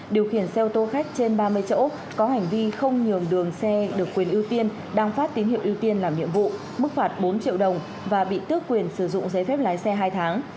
điều khiển xe ô tô khách trên ba mươi chỗ có hành vi không nhường đường xe được quyền ưu tiên đang phát tín hiệu ưu tiên làm nhiệm vụ mức phạt bốn triệu đồng và bị tước quyền sử dụng giấy phép lái xe hai tháng